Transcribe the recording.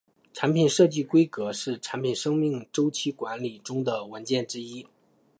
产品设计规格是产品生命周期管理中的文件之一。